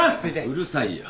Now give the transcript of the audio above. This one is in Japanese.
うるさいよ。